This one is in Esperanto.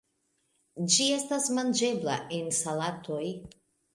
Ĝi estas manĝebla en salatoj.